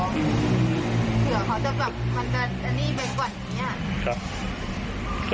เผื่อเขาจะแบบมันจะอันนี้ไปกว่านี้อ่ะครับ